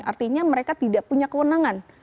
artinya mereka tidak punya kewenangan